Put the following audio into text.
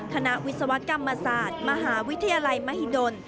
วิศวกรรมศาสตร์มหาวิทยาลัยมหิดล